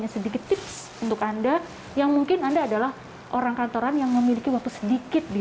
sedikit tips untuk anda yang mungkin anda adalah orang kantoran yang memiliki waktu sedikit di